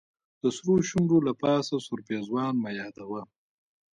د سرو شونډو له پاسه سور پېزوان مه يادوه